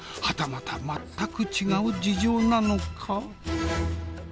はたまた全く違う事情なのか？